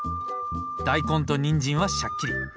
大根とにんじんはしゃっきり。